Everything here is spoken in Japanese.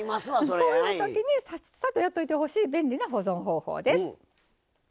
そういうときにさっさとやっててほしい便利な保存方法です。